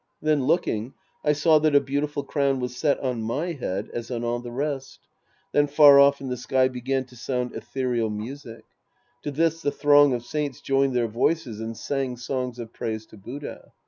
Then looking, I saw that a beautiful crown was set on my head as on the rest. Then far off in the sky began to sound etherial music. To this the throng of saints joined their voices and sang songs of praise to Buddha.